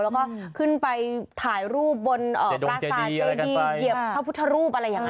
แล้วก็ขึ้นไปถ่ายรูปบนปราศาสตร์เจดีเหยียบพระพุทธรูปอะไรอย่างนั้น